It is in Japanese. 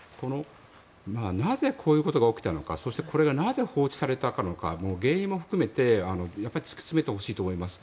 なぜこういうことが起きたのかそして、これがなぜ放置されたのか原因も含めてやっぱり突き詰めてほしいと思います。